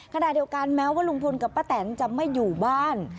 แม้ว่าลุงพลกับป้าแตนจะไม่อยู่บ้าน